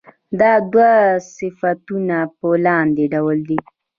دا دوه صفتونه په لاندې ډول دي.